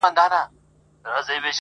چاړه د ابراهیم په لاس کې نه ده